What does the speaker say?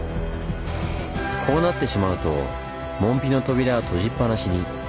こうなってしまうと門の扉は閉じっぱなしに。